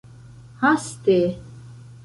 haste